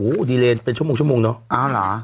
อุ๊ดีเหร่เป็นชั่วโมงบ์